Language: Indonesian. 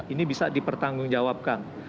ini bisa dipertanggung jawabkan